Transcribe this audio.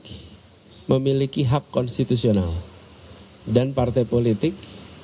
kami memiliki hak konstitusional dan partai politik